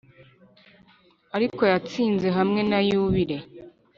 ariko yatsinze hamwe na yubile;